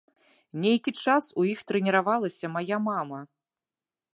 Нейкі час у іх трэніравалася мая мама.